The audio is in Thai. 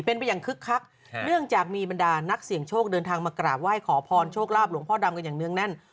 เป็นไปอย่างคึกคักเนื่องจากมีบรรดานักเสี่ยงโชคเดินทางมากราบไหว้ขอพรโชคลาภหลวงพ่อดำกันอย่างเนื้องแน่น